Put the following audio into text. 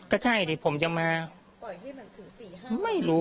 ก็ใช่ผมจะมาไม่รู้